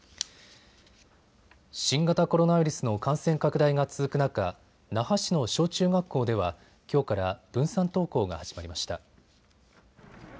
新型コロナウイルスの感染拡大が続く中、那覇市の小中学校ではきょうから分散登校が始まりました。